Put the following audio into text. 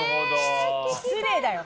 失礼だよ。